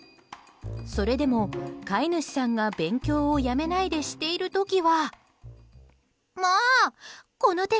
それでも飼い主さんが勉強をやめないでしている時は。